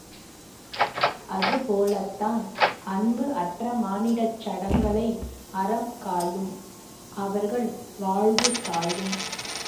அதுபோலத்தான் அன்பு அற்ற மானிடச் சடங்களை அறம் காயும் அவர்கள் வாழ்வு சாயும்.